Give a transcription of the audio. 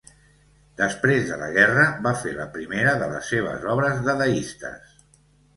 Després de la guerra, va fer la primera de les seves obres dadaistes.